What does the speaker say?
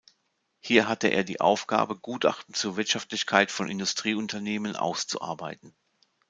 Hier hatte er die Aufgabe, Gutachten zur Wirtschaftlichkeit von Industrieunternehmen auszuarbeiten.